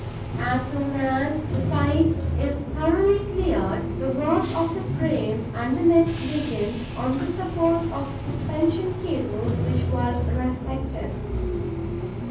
As goon as the site is thoroughly cleared, the work of the frame and the net begins on the support of the suspension cable which was respected.